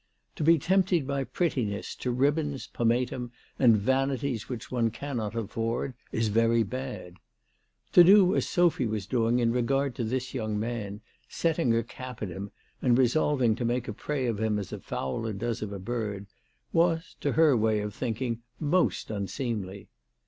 To be tempted by prettiness to ribbons, pomatum, and vanities which one cannot afford is very bad. To do as Sophy was doing in regard to this young man, setting her cap at him and resolving to make prey of him as a fowler does of a bird, was, to her way of thinking, most unseemly.